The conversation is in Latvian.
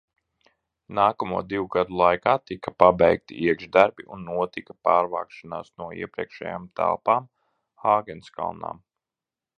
Nākamo divu gadu laikā tika pabeigti iekšdarbi un notika pārvākšanās no iepriekšējām telpām Āgenskalnā.